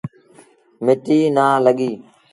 مٽيٚ نا لڳي